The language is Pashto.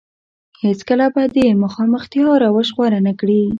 هېڅ کله به د مخامختيا روش غوره نه کړي.